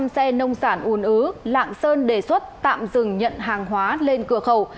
hai sáu trăm linh xe nông sản ùn ứ lạng sơn đề xuất tạm dừng nhận hàng hóa lên cửa khẩu